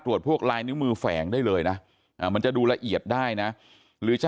พวกลายนิ้วมือแฝงได้เลยนะมันจะดูละเอียดได้นะหรือจะ